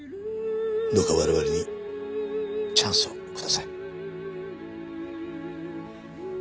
どうか我々にチャンスをください。